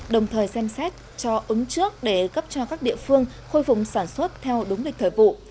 đồng thời xem xét cho ứng trước để cấp cho các địa phương khôi phục sản xuất theo đúng lịch thời vụ